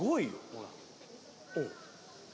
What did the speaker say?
ほら。